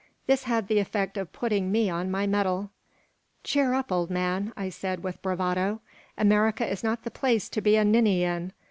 This had the effect of putting me on my mettle "Cheer up, old man!" I said, with bravado. "America is not the place to be a ninny in.